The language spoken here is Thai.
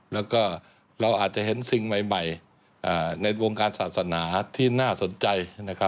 แล้วก็เราอาจจะเห็นสิ่งใหม่ในวงการศาสนาที่น่าสนใจ